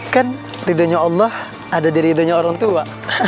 kan ridhonya allah ada di ridhonya orang tua